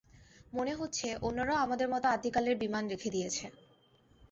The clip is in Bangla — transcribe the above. মনে হচ্ছে অন্যরাও আমাদের মতো আদ্যিকালের বিমান রেখে দিয়েছে।